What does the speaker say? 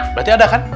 berarti ada kan